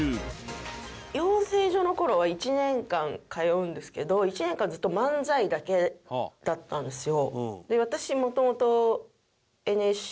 養成所の頃は１年間通うんですけど１年間ずっと漫才だけだったんですよ。